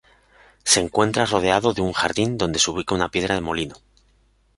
Se encuentra rodeado de un jardín donde se ubica una piedra de molino.